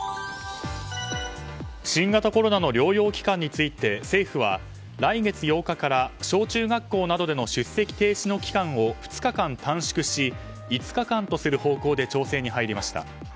新型コロナの療養期間について政府は来月８日から小中学校などでの出席停止の期間を２日間短縮し５日間とする方向で調整に入りました。